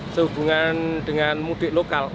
sehubungan dengan mudik lokal